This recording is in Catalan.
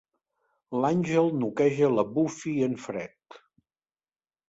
L'Angel noqueja la Buffy en fred.